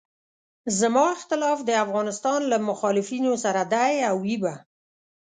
زما اختلاف د افغانستان له مخالفینو سره دی او وي به.